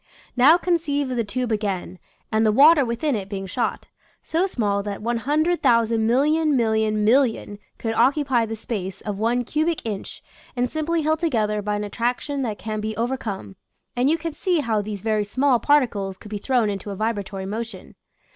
Now conceive of the tube again, and the water within it being shot, so small that 100,000 million million million could oc cupy the space of one cubic inch and simply held together by an attraction that can be overcome, and you can see how these very small particles could be thrown into a vibratory motion.